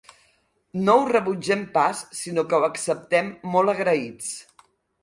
No ho rebutgem pas, sinó que ho acceptem molt agraïts.